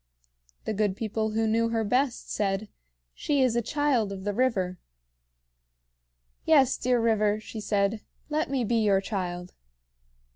The good people who knew her best said: "She is the child of the river." "Yes, dear river," she said, "let me be your child."